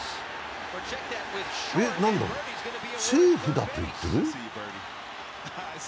なんだ、セーフだと言っている？